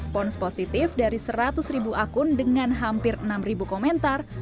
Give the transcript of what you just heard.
dan menanggung respon positif dari seratus ribu akun dengan hampir enam ribu komentar